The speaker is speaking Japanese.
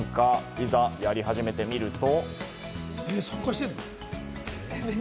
いざやり始めてみると。